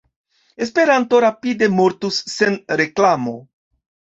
Esperanto rapide mortus sen reklamo!